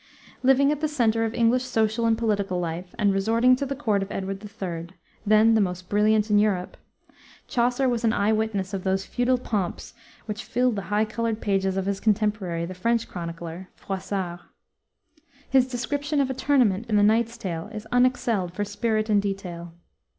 Living at the center of English social and political life, and resorting to the court of Edward III., then the most brilliant in Europe, Chaucer was an eye witness of those feudal pomps which fill the high colored pages of his contemporary, the French chronicler, Froissart. His description of a tournament in the Knight's Tale is unexcelled for spirit and detail.